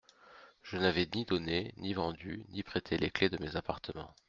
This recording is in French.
Je n'avais ni donné, ni vendu, ni prêté les clefs de mes appartements.